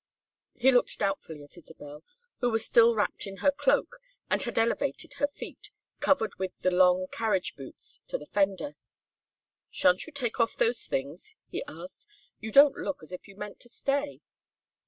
He looked doubtfully at Isabel, who was still wrapped in her cloak, and had elevated her feet, covered with the long carriage boots, to the fender. "Sha'n't you take off those things?" he asked. "You don't look as if you meant to stay."